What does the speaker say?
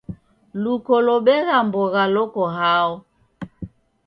Luko lobegha mbogha loko hao?